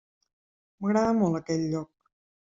M'agrada molt aquest lloc.